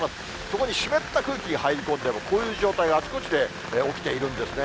そこに湿った空気が入り込んで、こういう状態があちこちで起きているんですね。